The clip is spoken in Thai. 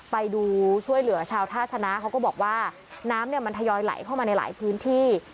ไปดูช่วยเหลือชาวท่าชนะเขาก็บอกว่าน้ำเนี่ยมันทยอยไหลเข้ามาในหลายพื้นที่